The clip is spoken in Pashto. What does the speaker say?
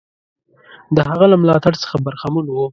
د هغه له ملاتړ څخه برخمن وو.